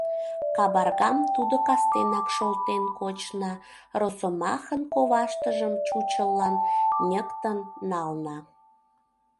Кабаргам тудо кастенак шолтен кочна, росомахын коваштыжым чучыллан ньыктын нална.